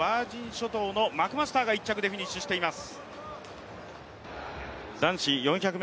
諸島のマクマスターが１着でフィニッシュしています。